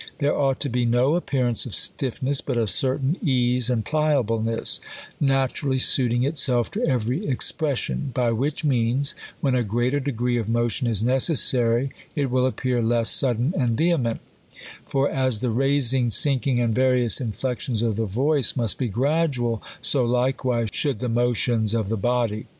There ought to be no appeai^ance of stiffness, but a certain case and pliableness, naturally suiting itself to every expression ; by which means, when a greater degree €>f motion is necessary, it will appear less sudden and vehement : for as the raising, sinking, and various in flections of the voice must be gradual, so likewise should the aiotions of the body.